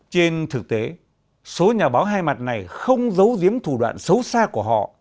trên thực tế số nhà báo hai mặt này không giấu giếm thủ đoạn xấu xa của họ